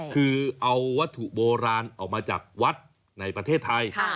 คือเอาวัตถุโบราณออกมาจากวัดในประเทศไทย